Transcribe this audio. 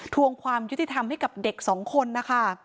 ทวงความยุติธรรมให้กับเด็กสองคนนะคะ